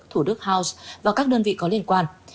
thủ đức house và các đơn vị có liên quan